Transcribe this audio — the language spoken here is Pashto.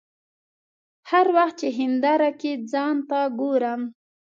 هر وخت چې هنداره کې ځان ته ګورم.